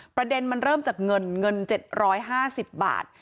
ประเด็นมันเริ่มจากเงินเงิน๗๕๐บาท